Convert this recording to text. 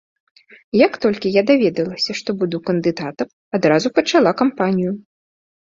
Як толькі я даведалася, што буду кандыдатам, адразу пачала кампанію.